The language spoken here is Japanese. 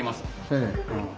ええ。